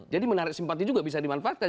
jadi menarik simpati juga bisa dimanfaatkan